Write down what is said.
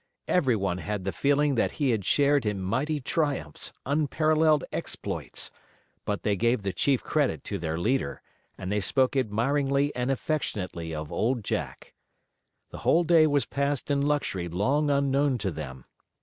Every one had the feeling that he had shared in mighty triumphs, unparalleled exploits, but they gave the chief credit to their leader, and they spoke admiringly and affectionately of Old Jack. The whole day was passed in luxury long unknown to them.